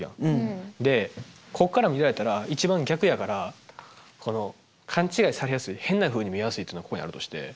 でここから見られたら一番逆やからこの勘違いされやすい変なふうに見られやすいっていうのがここにあるとして。